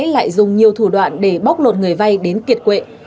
lại dùng nhiều thủ đoạn để bóc lột người vay đến kiệt quệ